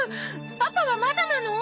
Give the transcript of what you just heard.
パパはまだなの？